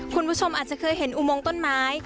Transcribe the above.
คุณผู้ชมอาจจะเคยเห็นอุโมงต้นไม้